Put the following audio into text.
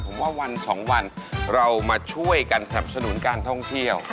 ผมว่าวันสองวันเรามาช่วยกันสนับสนุนการท่องเที่ยว